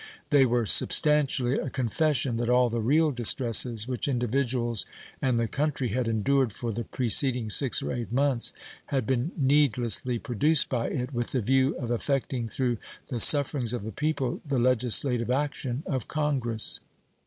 They were substantially a confession that all the real distresses which individuals and the country had endured for the preceding six or eight months had been needlessly produced by it, with the view of affecting through the sufferings of the people the legislative action of Congress.